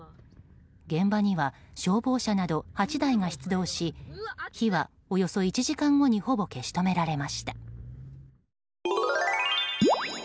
現場には消防車など８台が出動し火はおよそ１時間後にほぼ消し止められました。